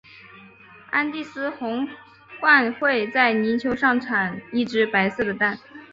安第斯红鹳会在泥丘上产一只白色的蛋。